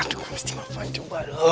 aduh mesti mafan juga lo